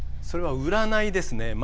それは占いですね。